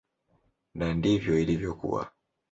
Na ndivyo ilivyokuwa.